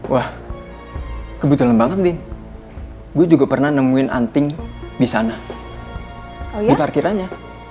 wah kebetulan banget din gue juga pernah nemuin anting disana di parkirannya